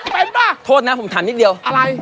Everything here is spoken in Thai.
เป็นป่ะโทษนะผมถามนิดเดียวอะไร